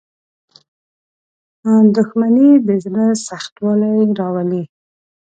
• دښمني د زړه سختوالی راولي.